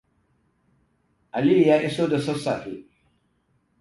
Aliyu ya iso da sassafe.